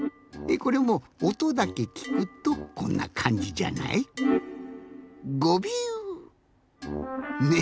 これもおとだけきくとこんなかんじじゃない？ね？